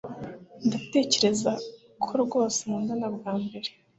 Ndatekereza ko rwose nkundana bwa mbere